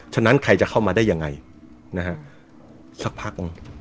ฉะนั้นใครจะเข้ามาได้ยังไงนะฮะสักพักหนึ่ง